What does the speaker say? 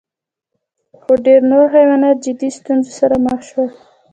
خو ډېر نور حیوانات جدي ستونزو سره مخ شول.